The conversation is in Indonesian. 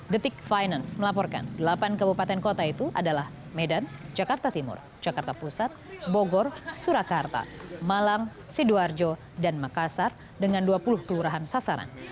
detik finance melaporkan delapan kabupaten kota itu adalah medan jakarta timur jakarta pusat bogor surakarta malang sidoarjo dan makassar dengan dua puluh kelurahan sasaran